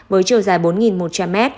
với chiều dài bốn một trăm linh m